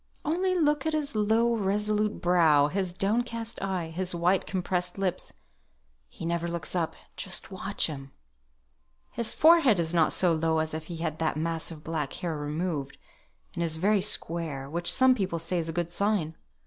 "Only look at his low, resolute brow, his downcast eye, his white compressed lips. He never looks up, just watch him." "His forehead is not so low if he had that mass of black hair removed, and is very square, which some people say is a good sign.